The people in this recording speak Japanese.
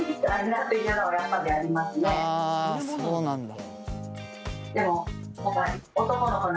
あそうなんだ。